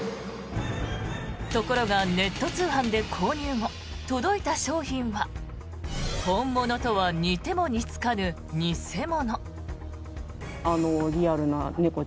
ところがネット通販で購入後届いた商品は本物とは似ても似つかぬ偽物。